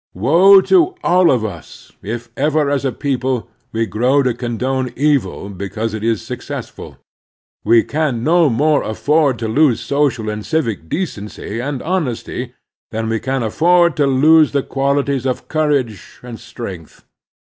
Woe to all of us if ever as a people we grow to condone evil because it is successful. We can no more afford to lose social and civic decency and honesty than we can afford to lose the quali ties of courage and strength.